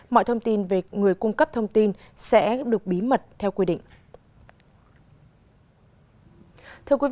mọi thông tin về người cung cấp thông tin sẽ được bí mật theo quy định